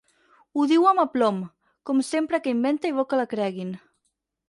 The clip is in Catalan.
Ho diu amb aplom, com sempre que inventa i vol que la creguin.